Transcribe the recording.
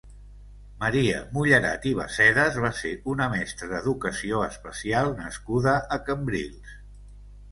Maria Mullerat i Bassedas va ser una mestra d'educació especial nascuda a Cambrils.